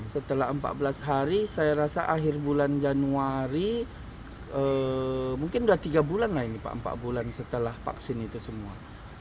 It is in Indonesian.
setelah empat belas hari saya rasa akhir bulan januari mungkin sudah tiga bulan lah ini pak empat bulan setelah vaksin itu semua